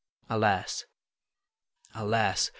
Alas! alas!